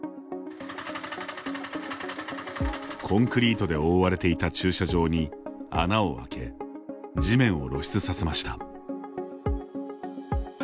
コンクリートで覆われていた駐車場に穴をあけ地面を露出させました。